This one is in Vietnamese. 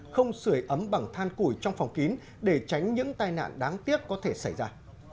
không sửa ấm bằng than củi trong phòng kín để tránh những tai nạn đáng tiếc có thể xảy ra